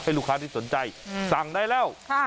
ลูกค้าที่สนใจสั่งได้แล้ว